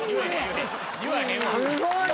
・すごい！